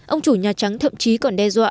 ông chủ nhà trắng thậm chí còn đe dọa